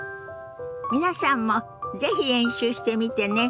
皆さんも是非練習してみてね。